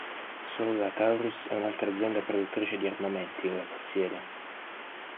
Solo la Taurus e un'altra azienda produttrice di armamenti la possiede.